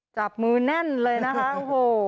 จับมือแน่นเลยนะคะโอ้โห